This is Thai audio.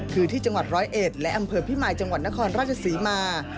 คือที่จังหวัดร้อยเอ็ดและอำเภอพิมายจังหวัดนครราชศรีมา